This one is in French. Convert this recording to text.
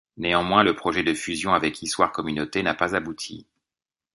Néanmoins le projet de fusion avec Issoire Communauté n'a pas abouti.